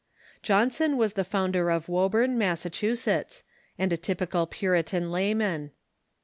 Johnson was the founder of Woburn, Massachusetts, and a tj'pical Puritan lay man.